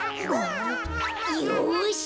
よし。